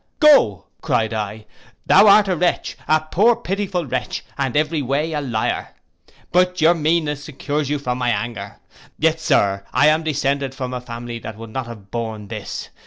'Go,' cried I, 'thou art a wretch, a poor pitiful wretch, and every way a lyar; but your meanness secures you from my anger! Yet sir, I am descended from a family that would not have borne this!